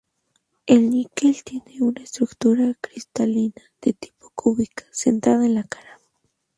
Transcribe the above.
El níquel tiene una estructura cristalina de tipo cúbica centrada en la cara.